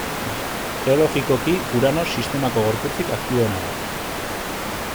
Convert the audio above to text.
Geologikoki Urano sistemako gorputzik aktiboena da.